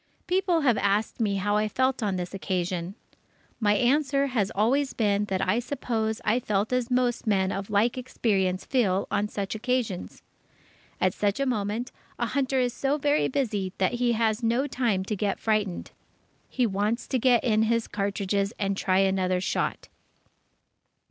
People have asked me how I felt on this occasion. My answer has always been that I suppose I felt as most men of like experience feel on such occasions. At such a moment, a hunter is so very busy that he has no time to get frightened. He wants to get in his cartridges and try another shot.